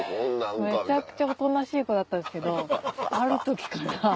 めちゃくちゃおとなしい子だったんですけどある時から。